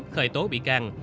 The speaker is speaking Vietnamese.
khởi tố bị can